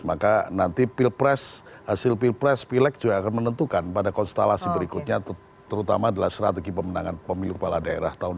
maka nanti pilpres hasil pilpres pilek juga akan menentukan pada konstelasi berikutnya terutama adalah strategi pemenangan pemilu kepala daerah tahun dua ribu dua puluh